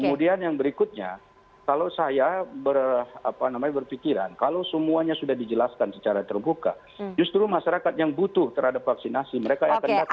kemudian yang berikutnya kalau saya berpikiran kalau semuanya sudah dijelaskan secara terbuka justru masyarakat yang butuh terhadap vaksinasi mereka akan datang